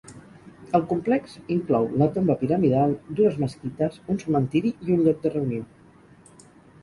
El complex inclou la tomba piramidal, dues mesquites, un cementiri i un lloc de reunió.